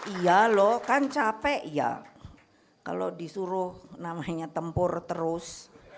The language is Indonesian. iya loh kan capek ya kalau disuruh namanya tempur terus